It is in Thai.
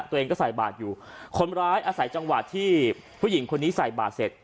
ตัวเองก็ใส่บาทอยู่คนร้ายอาศัยจังหวะที่ผู้หญิงคนนี้ใส่บาทเสร็จ